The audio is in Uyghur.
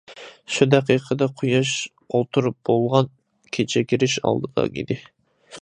شۇ دەقىقىدە قۇياش ئولتۇرۇپ بولغان، كېچە كىرىش ئالدىدا ئىدى.